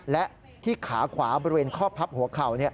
และที่ขาขวาบริเวณข้อพับหัวเข่า